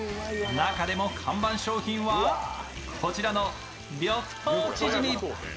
中でも看板商品は、こちらの緑豆チヂミ。